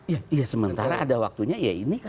ya sementara ada waktunya ya ini